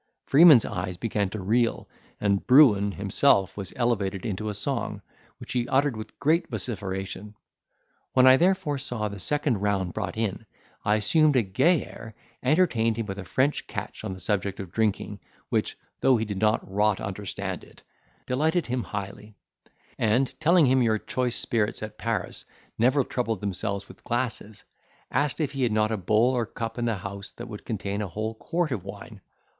Freeman's eyes began to reel, and Bruin himself was elevated into a song, which he uttered with great vociferation. When I therefore saw the second round brought in, I assumed a gay air, entertained him with a French catch on the subject of drinking, which, though he did rot understand it, delighted him highly; and, telling him your choice spirits at Paris never troubled themselves with glasses, asked if he had not a bowl or cup in the house that would contain a whole quart of wine.